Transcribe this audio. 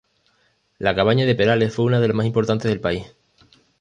La cabaña de Perales fue una de las más importantes del país.